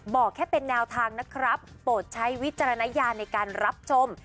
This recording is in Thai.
บอกแค่เป็นแนวทางนะครับโปรดใช้วิจารณญาณในการรับชม